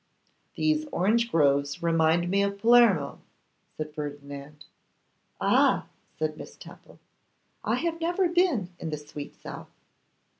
'These orange groves remind me of Palmero,' said Ferdinand. 'Ah!' said Miss Temple, 'I have never been in the sweet south.